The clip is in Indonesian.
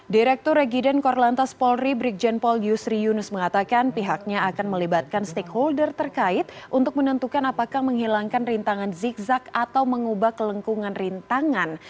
direktur regiden korlantas polri brigjen paul yusri yunus mengatakan pihaknya akan melibatkan stakeholder terkait untuk menentukan apakah menghilangkan rintangan zigzag atau mengubah kelengkungan rintangan